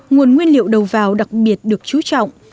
nguồn nguyên liệu đầu vào đặc biệt được chú trọng